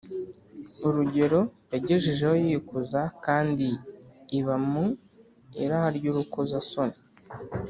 Urugero yagejejeho yikuza kandi iba mu iraha ry urukozasoni